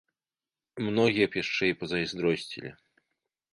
Многія б яшчэ і пазайздросцілі.